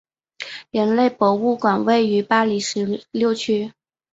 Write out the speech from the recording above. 人类博物馆位于巴黎十六区。